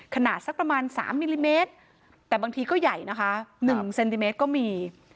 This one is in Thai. สักประมาณ๓มิลลิเมตรแต่บางทีก็ใหญ่นะคะ๑เซนติเมตรก็มี